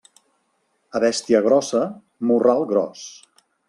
A bèstia grossa, morral gros.